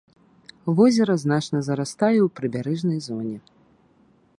Возера значна зарастае ў прыбярэжнай зоне.